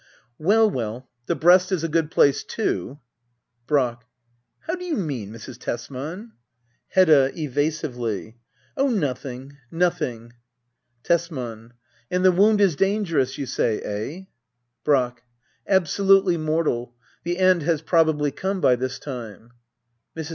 Well, well — the breast is a good place^ too. Brack. How do you mean, Mrs. Tesman ? Hedda. [Evasively,'] Oh, nothing — nothing. Tesman. And the wound is dangerous, you say — eh } Brack. Absolutely mortal. The end has probably come by this time. Mrs.